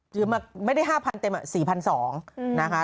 ยืมมาไม่ได้๕๐๐๐เต็มเงิน๔๒๐๐